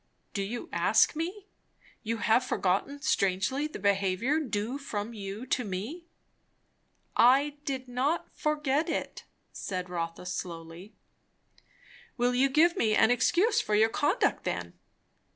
"Do you ask me? You have forgotten strangely the behaviour due from you to me." "I did not forget it " said Rotha slowly. "Will you give me an excuse for your conduct, then?"